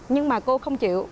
nhưng mà cô không chịu